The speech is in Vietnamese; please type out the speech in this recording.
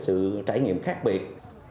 sự trải nghiệm khác biệt